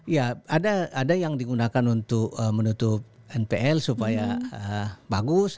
ya ada yang digunakan untuk menutup npl supaya bagus